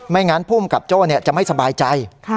งั้นภูมิกับโจ้จะไม่สบายใจ